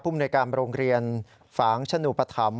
ผู้อำนวยการโรงเรียนฝางชนุปธรรม